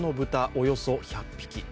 およそ１００匹。